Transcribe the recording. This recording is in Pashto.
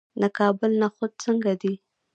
د کابل نخود څنګه دي؟